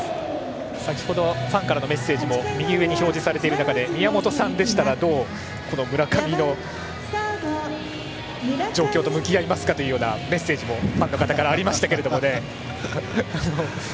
先程ファンからのメッセージも右上に表示されている中で宮本さんでしたらどう、この村上の状況と向き合いますかというようなメッセージもファンの方からありましたけど。